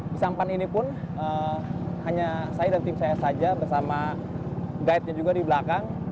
pisampan ini pun hanya saya dan tim saya saja bersama guide nya juga di belakang